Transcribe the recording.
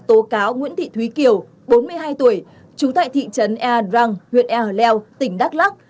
tố cáo nguyễn thị thúy kiều bốn mươi hai tuổi trú tại thị trấn ea drang huyện ea leo tỉnh đắk lắc